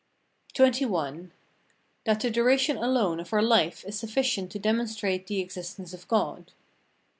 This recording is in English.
XXI. That the duration alone of our life is sufficient to demonstrate the existence of God.